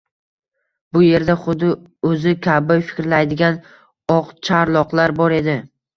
Bu yerda xuddi o‘zi kabi fikrlaydigan oqcharloqlar bor edi.